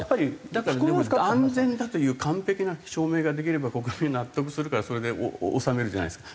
だから安全だという完璧な証明ができれば国民は納得するからそれで収めるじゃないですか。